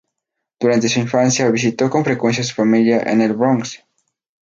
Durante su infancia visitó con frecuencia a su familia en el Bronx.